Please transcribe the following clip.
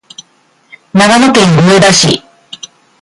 長野県上田市